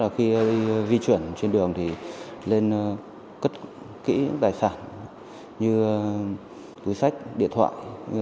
khi di chuyển trên đường thì lên cất kỹ tài sản như túi sách điện thoại